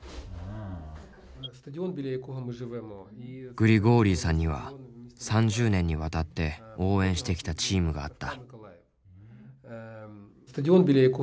グリゴーリイさんには３０年にわたって応援してきたチームがあった。